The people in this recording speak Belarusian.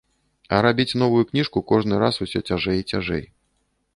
А рабіць новую кніжку кожны раз усё цяжэй і цяжэй.